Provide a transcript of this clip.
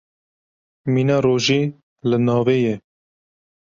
Mîna rojê li navê ye.